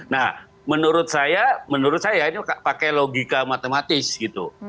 nah menurut saya ini pakai logika matematis gitu